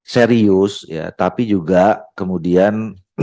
serius ya tapi juga kemudian